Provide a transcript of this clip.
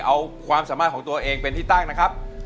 เอาความสามารถของตัวเองเป็นที่ตั้งนะครับ